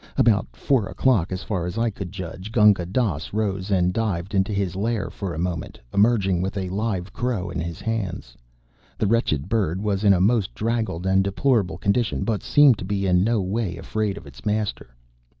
About four o'clock, as far as I could judge Gunga Dass rose and dived into his lair for a moment, emerging with a live crow in his hands. The wretched bird was in a most draggled and deplorable condition, but seemed to be in no way afraid of its master.